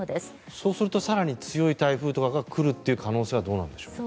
そうするとまた強い台風が来るという可能性はどうなんでしょう。